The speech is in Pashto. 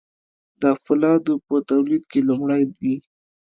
د فولادو په تولید کې لومړی دي.